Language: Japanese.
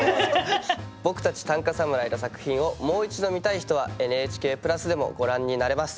僕たち短歌侍の作品をもう一度見たい人はＮＨＫプラスでもご覧になれます。